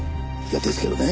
ですけどね